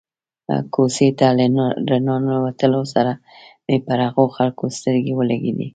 کوڅې ته له را ننوتلو سره مې پر هغو خلکو سترګې ولګېدې.